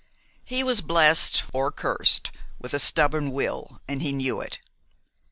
He was blessed, or cursed, with a stubborn will, and he knew it.